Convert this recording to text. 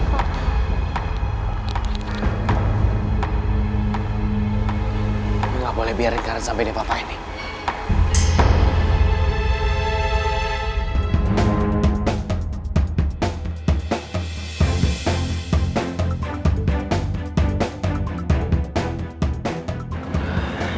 kamu gak boleh biarin karin sampai dia papahin nih